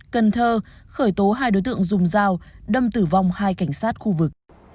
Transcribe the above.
cần thơ khởi tố hai đối tượng dùng dao đâm tử vong hai cảnh sát khu vực